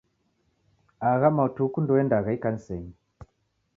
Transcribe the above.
Agha matuku ndouendagha ikanisenyi.